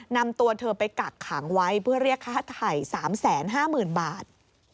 นำตัวเธอไปกักขังไว้เพื่อเรียกค่าไถ่๓๕๐๐๐บาท